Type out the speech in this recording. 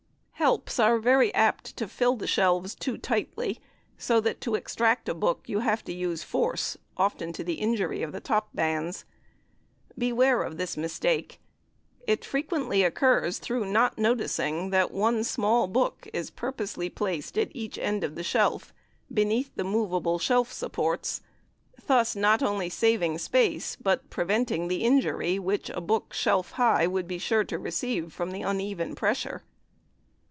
"Helps" are very apt to fill the shelves too tightly, so that to extract a book you have to use force, often to the injury of the top bands. Beware of this mistake. It frequently occurs through not noticing that one small book is purposely placed at each end of the shelf, beneath the movable shelf supports, thus not only saving space, but preventing the injury which a book shelf high would be sure to receive from uneven pressure.